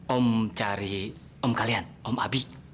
om cari om kalian om abi